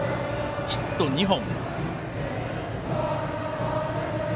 ヒット２本。